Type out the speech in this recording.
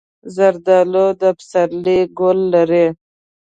زردالو د پسرلي ګل لري.